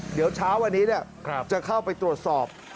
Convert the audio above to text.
เดี๋ยวเช้าวันนี้จะเข้าไปตรวจสอบ